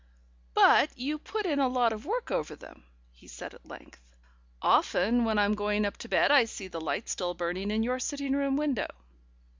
"But you put in a lot of work over them," he said at length. "Often when I'm going up to bed, I see the light still burning in your sitting room window."